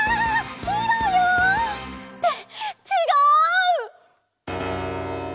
ヒーローよ！ってちがう！